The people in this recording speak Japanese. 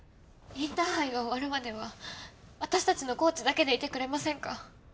インターハイが終わるまでは私たちのコーチだけでいてくれませんか？